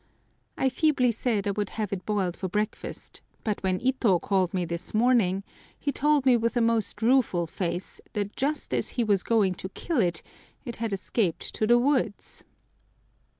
I feebly said I would have it boiled for breakfast, but when Ito called me this morning he told me with a most rueful face that just as he was going to kill it it had escaped to the woods!